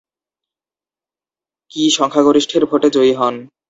কি সংখ্যাগরিষ্ঠের ভোটে জয়ী হন।